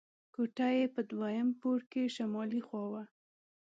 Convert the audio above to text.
کوټه یې په دویم پوړ کې شمالي خوا وه.